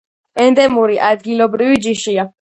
ენდემური, ადგილობრივი ჯიშია.